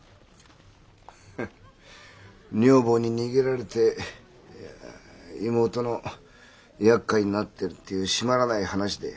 へっ女房に逃げられて妹の厄介になってるって締まらない話で。